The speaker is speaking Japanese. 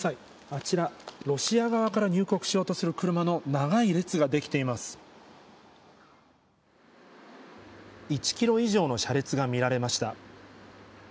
あちら、ロシア側から入国しようとする１キロ以上の車列が見られました。